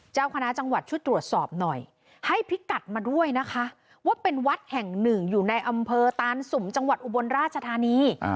เจ้าคณะจังหวัดช่วยตรวจสอบหน่อยให้พิกัดมาด้วยนะคะว่าเป็นวัดแห่งหนึ่งอยู่ในอำเภอตานสุมจังหวัดอุบลราชธานี